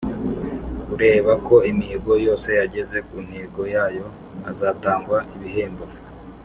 Kureba ko imihigo yose yageze ku ntego yayo hazatangwa ibihembo